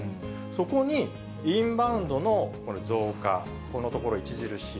そこに、インバウンドの増加、このところ著しい。